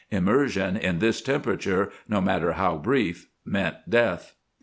Immersion in this temperature, no matter how brief, meant death.